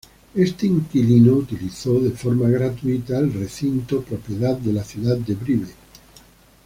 Este inquilino utilizó, de forma gratuita, el recinto, propiedad de la ciudad de Brive.